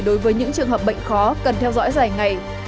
đối với những trường hợp bệnh khó cần theo dõi dài ngày